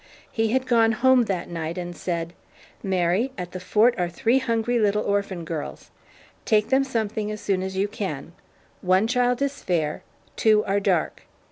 He had gone home that night and said: "Mary, at the Fort are three hungry little orphan girls. Take them something as soon as you can. One child is fair, two are dark.